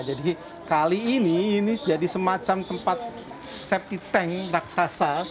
jadi kali ini ini jadi semacam tempat septic tank raksasa